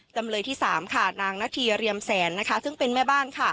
จำเลยที่๓ค่ะนางนาธีเรียมแสนซึ่งเป็นแม่บ้าน